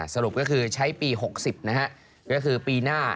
สรุปก็คือใช้ปี๖๐นะฮะก็คือปีหน้า